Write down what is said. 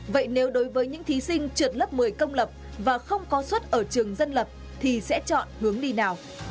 vậy nếu đối với những thí sinh trượt lớp một mươi công lập và không có xuất ở trường dân lập thì sẽ chọn hướng đi nào